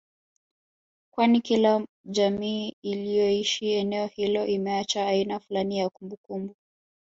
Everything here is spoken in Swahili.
kwani kila jamii iliyoishi eneo hilo imeacha aina fulani ya kumbukumbu